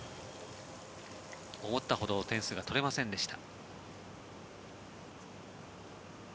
思ったほどの点数が取れませんでした。